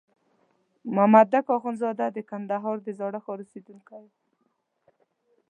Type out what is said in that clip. مامدک اخندزاده د کندهار د زاړه ښار اوسېدونکی وو.